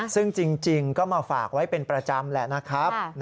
ซึ่งจริงก็มาฝากไว้เป็นประจำแหละนะครับ